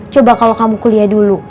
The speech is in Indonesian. coba kalau kamu kuliah dulu